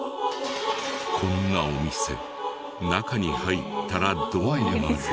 こんなお店中に入ったらどうなる？